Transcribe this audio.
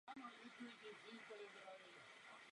Spolupracoval i při dětské tvorbě a animovaných filmech.